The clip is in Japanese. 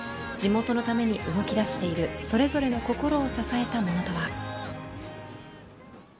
地元のために動き出しているそれぞれの心を支えたものとは。